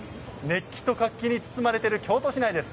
熱気と活気に包まれている京都市内です。